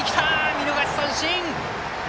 見逃し三振！